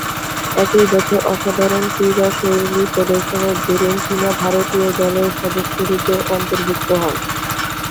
একই বছর অসাধারণ ক্রীড়াশৈলী প্রদর্শনের দরুণ চীনা জাতীয় দলের সদস্যরূপে অন্তর্ভুক্ত হন।